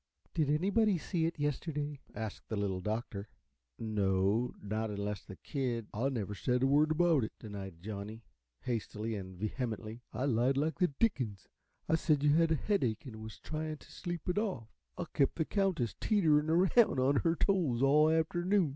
"Did anybody see it yesterday?" asked the Little Doctor. "No not unless the kid " "I never said a word about it," denied Johnny, hastily and vehemently. "I lied like the dickens. I said you had headache an' was tryin' t' sleep it off. I kep' the Countess teeterin' around on her toes all afternoon."